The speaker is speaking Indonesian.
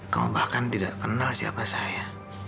kau bahkan tidak kenal siapa saya